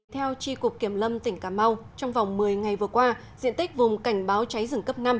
theo tri cục kiểm lâm tỉnh cà mau trong vòng một mươi ngày vừa qua diện tích vùng cảnh báo cháy rừng cấp năm